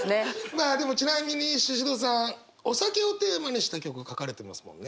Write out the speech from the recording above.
まあでもちなみにシシドさん「お酒」をテーマにした曲書かれてますもんね。